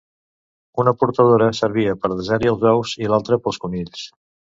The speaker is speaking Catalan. Una portadora servia per desar-hi els ous i l'altra pels conills.